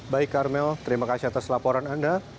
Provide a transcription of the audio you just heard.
baik karmel terima kasih atas laporan anda